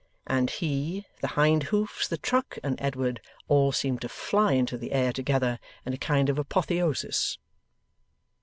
and he, the hind hoofs, the truck, and Edward, all seemed to fly into the air together, in a kind of apotheosis.